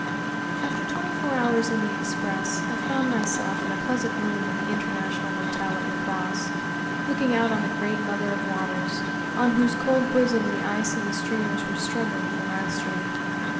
After twenty four hours in the express I found myself in a pleasant room in the International Hotel at La Crosse, looking out on the Great Mother of Waters, on whose cold bosom the ice and the steamers were struggling for mastery.